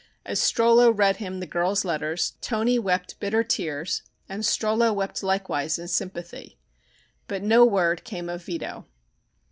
As Strollo read him the girl's letters Toni wept bitter tears and Strollo wept likewise in sympathy. But no word came of Vito.